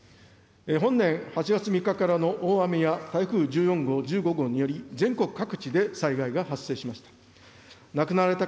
本年８月３日からの大雨や台風１４号、１５号により、全国各地で災害が発生しました。